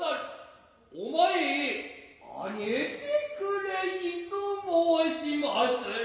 お前へあげてくれいと申しまする。